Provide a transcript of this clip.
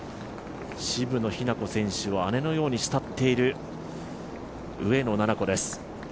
渋野日向子選手を姉のように慕っている上野菜々子です。